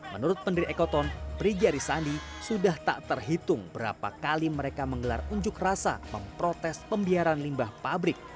menurut pendiri ekoton brigiarisandi sudah tak terhitung berapa kali mereka menggelar unjuk rasa memprotes pembiaran limbah pabrik